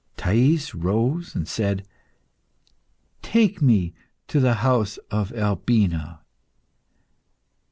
Thais rose and said "Take me to the house of Albina."